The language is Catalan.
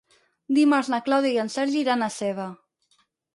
Dimarts na Clàudia i en Sergi iran a Seva.